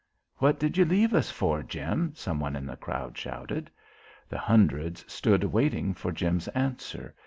"What did you leave us for, Jim?" some one in the crowd shouted. The hundreds stood waiting for Jim's answer.